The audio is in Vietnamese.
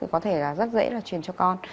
có thể là rất dễ là truyền cho con